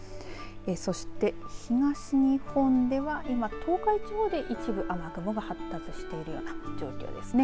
そして、東日本では今、東海地方で一部雨雲が発達しているような状況ですね。